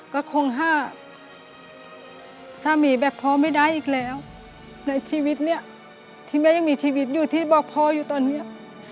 ก็คงห้าสามีแบบพ่อไม่ได้อีกแล้วในชีวิตเนี่ยที่แม่ยังมีชีวิตอยู่ที่บอกพ่ออยู่ตอนนี้